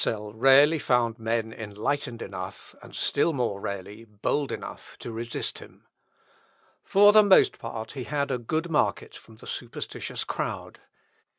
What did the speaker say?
Tezel rarely found men enlightened enough, and still more rarely men bold enough, to resist him. For the most part he had a good market from the superstitious crowd.